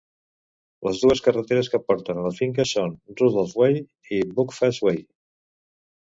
Les dues carreteres que porten a la finca són Rufford Way i Buckfast Way.